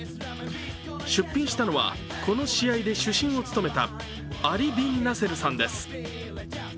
出品したのはこの試合で主審を務めたアリ・ビン・ナセルさんです。